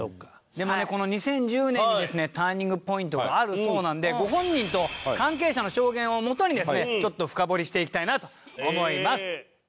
でもねこの２０１０年にですねターニングポイントがあるそうなんでご本人と関係者の証言をもとにですねちょっと深掘りしていきたいなと思います。